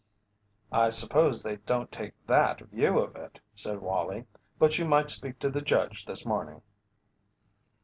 "I suppose they don't take that view of it," said Wallie, "but you might speak to the Judge this morning."